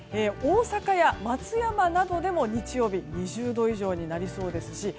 大阪や松山などでも日曜日２０度以上になりそうですし